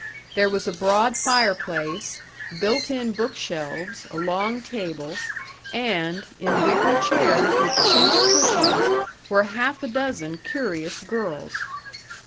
There was a broad fireplace, built in book shelves, a long table; and, in wicker chairs with chintz cushions, were half a dozen curious girls.